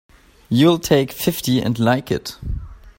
You'll take fifty and like it!